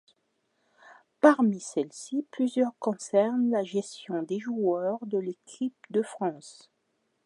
Parmi celles-ci, plusieurs concernent la gestion des joueurs de l'équipe de France.